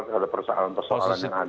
kalau ada persoalan persoalan